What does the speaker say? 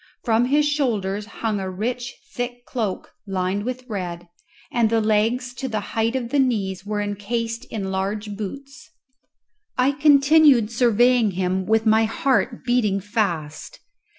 From his shoulders hung a rich thick cloak lined with red, and the legs to the height of the knees were encased in large boots. I continued surveying him with my heart beating fast.